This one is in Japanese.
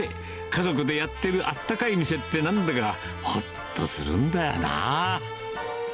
家族でやってるあったかい店って、なんだかほっとするんだよな。